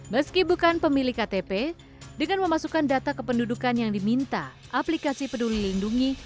meski bukan pemilik ktp dengan memasukkan data kependudukan yang diminta aplikasi peduli lindungi